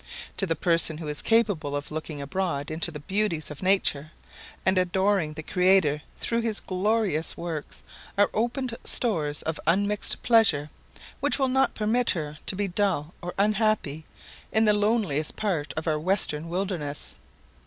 To the person who is capable of looking abroad into the beauties of nature, and adoring the Creator through his glorious works, are opened stores of unmixed pleasure, which will not permit her to be dull or unhappy in the loneliest part of our Western Wilderness.